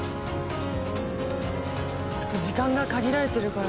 そっか時間が限られてるから。